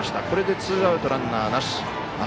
これでツーアウト、ランナーなし。